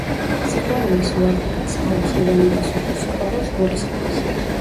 სიყვარულის უარყოფა ცალმხრივ ან უპასუხო სიყვარულს გულისხმობს.